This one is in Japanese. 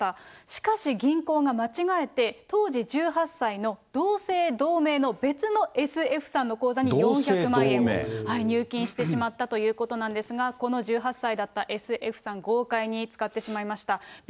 しかし銀行が間違えて当時１８歳の同姓同名の別のＳ・Ｆさんの口座に４００万円分、入金してしまったということなんですが、この１８歳だったＳ・Ｆさん、豪快に使ってしまいました。